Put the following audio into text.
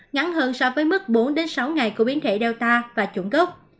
ngắn hơn so với mức bốn sáu ngày của biến thể delta và chủng cốc